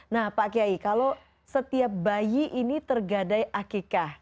nah pak kiai kalau setiap bayi ini tergadai akikah